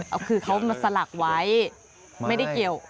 เอาคือเขามาสลักไว้ไม่ได้เกี่ยว